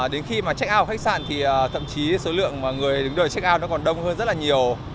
đến khi mà check out khách sạn thì thậm chí số lượng người đứng đợi check out nó còn đông hơn rất là nhiều